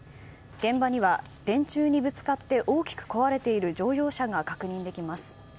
現場には、電柱にぶつかって大きく壊れている乗用車が確認できます。